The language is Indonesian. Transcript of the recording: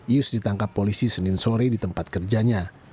ius ditangkap polisi senin sore di tempat kerjanya